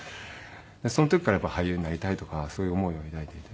その時から俳優になりたいとかそういう思いを抱いていて。